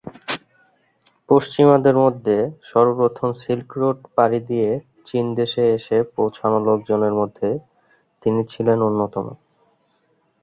পশ্চিমাদের মধ্যে সর্বপ্রথম সিল্ক রোড পাড়ি দিয়ে চীন দেশে এসে পৌঁছানো লোকজনের মধ্যে তিনি ছিলেন অন্যতম।